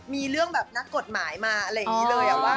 มีเรื่องแบบนักกฎหมายมาอะไรอย่างนี้เลย